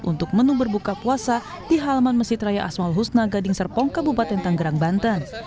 untuk menu berbuka puasa di halaman masjid raya asmal husna gading serpong kabupaten tanggerang banten